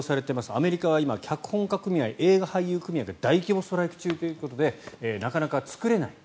アメリカは今、脚本家組合映画俳優組合が大規模ストライキ中ということでなかなか作れない。